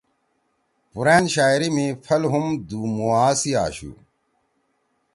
پُورأن شاعری می پھل ہُم دُو مُوا سی آشُو۔